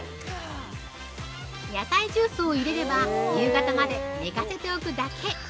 ◆野菜ジュースを入れれば夕方まで寝かせておくだけ。